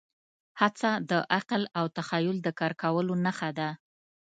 هڅه د عقل او تخیل د کار کولو نښه ده.